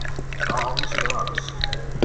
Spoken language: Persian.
با آغوش باز